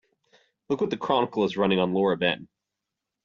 Look what the Chronicle is running on Laura Ben.